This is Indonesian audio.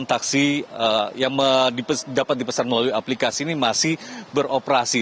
taksi yang dapat dipesan melalui aplikasi ini masih beroperasi